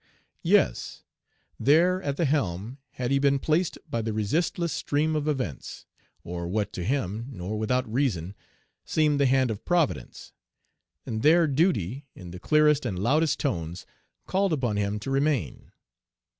Yes; there, at the helm, had he been placed by the resistless stream of events, or what to him, nor without reason, seemed the hand of Providence; and there duty, in the clearest and loudest tones, called upon him to remain.